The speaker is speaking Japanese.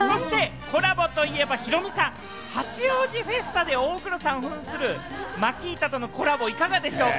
そしてコラボといえばヒロミさん、八王子フェスタで大黒さん、マキータとのコラボいかがですか？